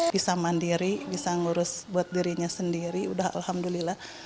bisa mandiri bisa ngurus buat dirinya sendiri udah alhamdulillah